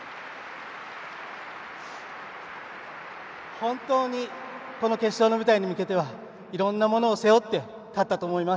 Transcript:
本当にこの決勝の舞台に向けてはいろんなものを背負って立ったと思います。